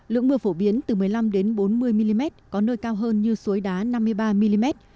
lượng mưa phổ biến từ một mươi năm bốn mươi mm có nơi cao hơn như suối đá năm mươi ba mm